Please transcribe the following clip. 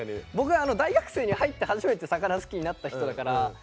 僕は大学生に入って初めて魚好きになった人だから。